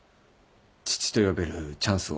父と呼べるチャンスを。